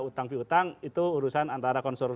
utang pihutang itu urusan antara